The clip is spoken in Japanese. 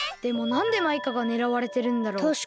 でもなんでマイカがねらわれてるんだろう？